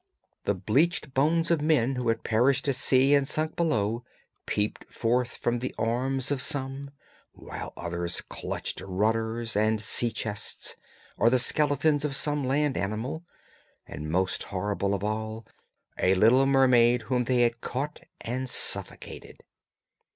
The bleached bones of men who had perished at sea and sunk below peeped forth from the arms of some, while others clutched rudders and sea chests, or the skeleton of some land animal; and most horrible of all, a little mermaid whom they had caught and suffocated.